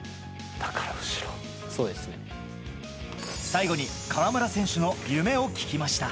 最後に河村選手の夢を聞きました。